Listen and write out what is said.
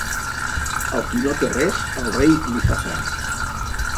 Al qui no té res, el rei li fa franc.